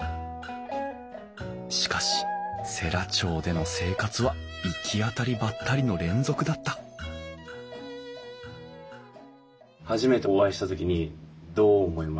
しかし世羅町での生活はいきあたりばったりの連続だった初めてお会いした時にどう思いました？